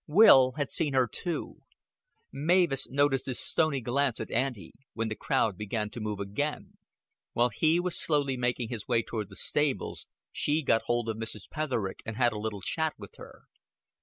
Will had seen her too. Mavis noticed his stony glance at Auntie, when the crowd began to move again. While he was slowly making his way toward the stables, she got hold of Mrs. Petherick and had a little chat with her.